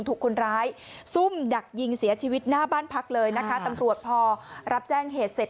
ถูกคนร้ายซุ่มดักยิงเสียชีวิตหน้าบ้านพักเลยนะคะตำรวจพอรับแจ้งเหตุเสร็จ